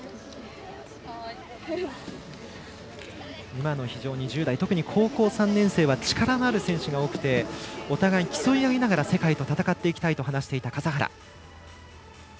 今の１０代、特に高校３年生は力のある選手が多くてお互い競い合いながら世界と戦っていきたいと話していた笠原。